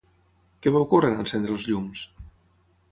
Què va ocórrer en encendre els llums?